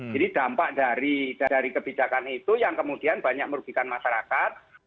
jadi dampak dari kebijakan itu yang kemudian banyak merugikan masyarakat